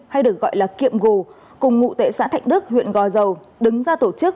hay được gọi là kiệm gù cùng ngụ tệ xã thạnh đức huyện gò dầu đứng ra tổ chức